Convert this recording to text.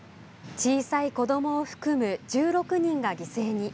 小さい子どもを含む１６人が犠牲に。